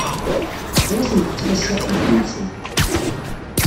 Ur asent-ttqissiɣ tiddi-nsent.